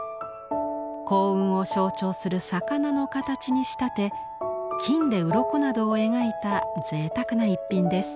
幸運を象徴する魚の形に仕立て金でうろこなどを描いたぜいたくな一品です。